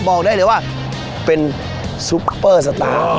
บอกได้เลยว่าเป็นซุปเปอร์สตาร์